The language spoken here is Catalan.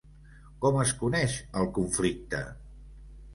Com es coneix el conflicte?